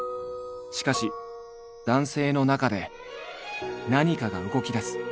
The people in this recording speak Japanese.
しかし男性の中で何かが動きだす。